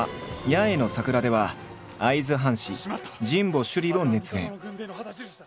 「八重の桜」では会津藩士神保修理を熱演。